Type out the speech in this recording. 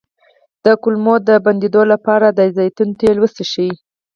د کولمو د بندیدو لپاره د زیتون تېل وڅښئ